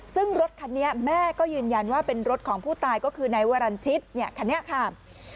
ซึ่งรถคันนี้แม่ก็ยืนยันว่าเป็นรถของผู้ตายก็คือนายวรรณชิตเนี่ยคันนี้ค่ะ